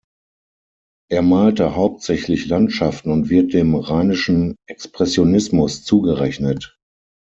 Er malte hauptsächlich Landschaften und wird dem Rheinischen Expressionismus zugerechnet.